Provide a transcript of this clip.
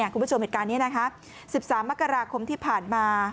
คุณผู้ชมเหตุการณ์นี้นะคะ๑๓มกราคมที่ผ่านมา